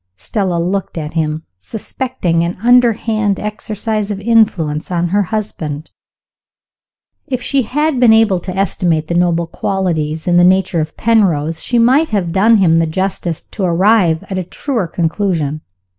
Stella looked at him, suspecting some underhand exercise of influence on her husband. If she had been able to estimate the noble qualities in the nature of Penrose, she might have done him the justice to arrive at a truer conclusion.